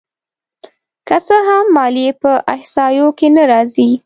که څه هم ماليې په احصایو کې نه راځي